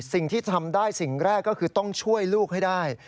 สิ่งที่ทำได้สิ่งแรกก็คือต้องช่วยลูกให้ได้